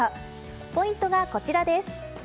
ポイントがこちらです。